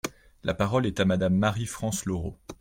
La parole est à Madame Marie-France Lorho.